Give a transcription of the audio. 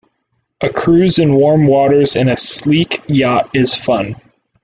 A cruise in warm waters in a sleek yacht is fun.